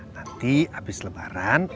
nanti abis lebaran